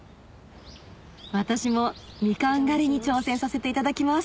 私もみかん狩りに挑戦させていただきます